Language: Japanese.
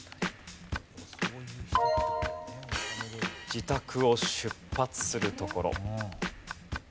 自宅を出発するところ。